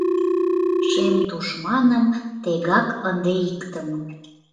Шем тушманым тегак ынде иктым